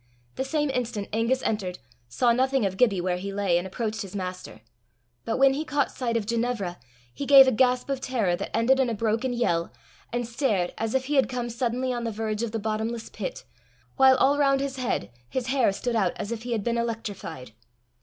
The same instant Angus entered, saw nothing of Gibbie where he lay, and approached his master. But when he caught sight of Ginevra, he gave a gasp of terror that ended in a broken yell, and stared as if he had come suddenly on the verge of the bottomless pit, while all round his head his hair stood out as if he had been electrified.